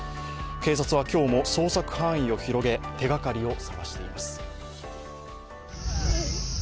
警察は今日も捜索範囲を広げ、手がかりを捜しています。